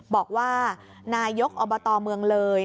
บอกว่านายกอบตเมืองเลย